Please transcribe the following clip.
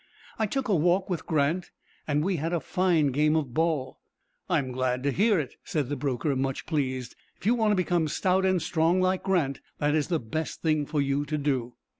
"I took a walk with Grant, and we had a fine game of ball." "I am glad to hear it," said the broker, much pleased. "If you want to become stout and strong like Grant, that is the best thing for you to do."